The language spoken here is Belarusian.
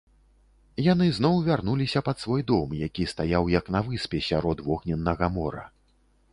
Яны зноў вярнуліся пад свой дом, які стаяў як на выспе сярод вогненнага мора.